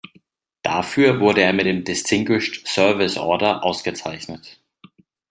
Dafür wurde er mit dem Distinguished Service Order ausgezeichnet.